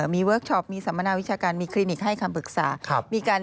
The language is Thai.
มีเวิร์คชอปมีสัมมนาวิชาการมีคลินิกให้คำปรึกษา